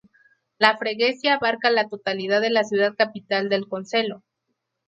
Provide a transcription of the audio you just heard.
La "freguesia" abarca la totalidad de la ciudad capital del "concelho".